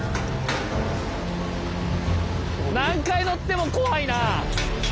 何回乗っても怖いな。